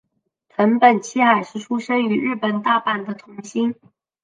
藤本七海是出身于日本大阪的童星。